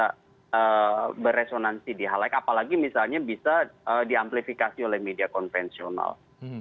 itu belum tentu bisa beresonansi di hal lain apalagi misalnya bisa di amplifikasi oleh media konvensional